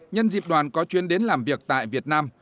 nhân dịp đoàn có chuyến đến làm việc tại việt nam